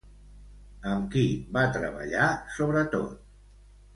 Amb qui va treballar sobretot?